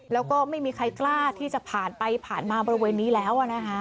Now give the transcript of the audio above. แล้วก็ไม่มีใครกล้าที่จะผ่านไปผ่านมาบริเวณนี้แล้วนะคะ